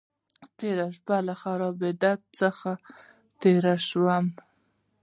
تېره شپه له خرابات څخه تېر شوم.